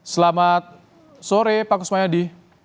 selamat sore pak kusmayadi